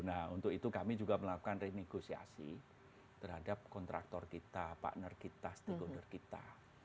nah untuk itu kami juga melakukan renegosiasi terhadap kontraktor kita partner kita stakeholder kita